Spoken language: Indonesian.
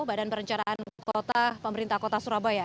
badan perencaraan pemerintah kota surabaya